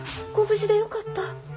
ご無事でよかった」。